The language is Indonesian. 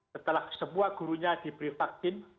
setelah semua gurunya diberi vaksin